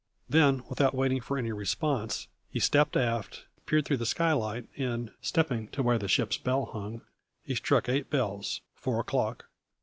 Then, without waiting for any response, he stepped aft, peered through the skylight, and, stepping to where the ship's bell hung, he struck eight bells (four o'clock).